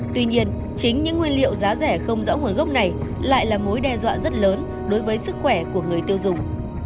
tuy nhiên chính những nguyên liệu giá rẻ không rõ nguồn gốc này lại là mối đe dọa rất lớn đối với sức khỏe của người tiêu dùng